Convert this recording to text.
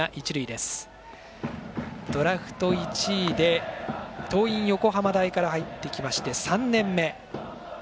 ドラフト１位で桐蔭横浜大から入ってきまして３年目。